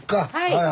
はい。